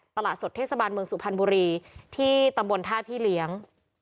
ตลาดสดเทศบาลเมืองสุพรรณบุรีที่ตำบลท่าพี่เลี้ยง